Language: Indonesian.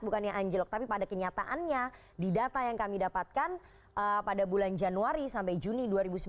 bukannya anjlok tapi pada kenyataannya di data yang kami dapatkan pada bulan januari sampai juni dua ribu sembilan belas